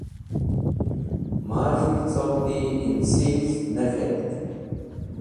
Maz̃hi coghdi ẽnsiz nek̃htk.